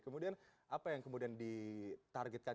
kemudian apa yang kemudian ditargetkan